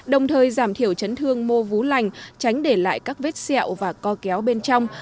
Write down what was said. đồng thời giảm thiểu chấn thương mô vú lành tránh để lại các vết xẹo và co kéo bên trong